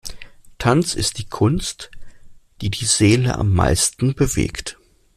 Tanz ist die Kunst, die die Seele am meisten bewegt.